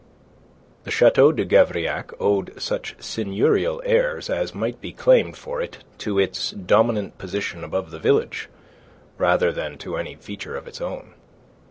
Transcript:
The Chateau de Gavrillac owed such seigneurial airs as might be claimed for it to its dominant position above the village rather than to any feature of its own.